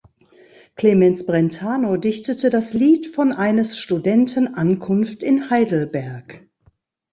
Clemens Brentano dichtete das "Lied von eines Studenten Ankunft in Heidelberg".